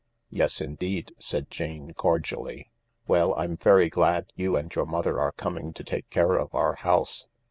"Yes, indeed/' said Jane cordially. "Well, I'm very glad you and your mother are coming to take care of our house.